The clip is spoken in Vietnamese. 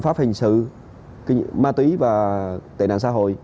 pháp hình sự ma túy và tệ nạn xã hội